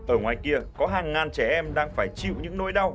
ở ngoài kia có hàng ngàn trẻ em đang phải chịu những nỗi đau